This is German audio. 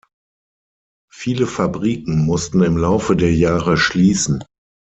Viele Fabriken mussten im Laufe der Jahre schließen.